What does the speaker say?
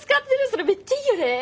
それめっちゃいいよね！